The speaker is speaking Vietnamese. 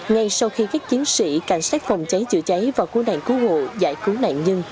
ngay sau khi các chiến sĩ cảnh sát phòng cháy chữa cháy và cứu nạn cứu hộ giải cứu nạn nhân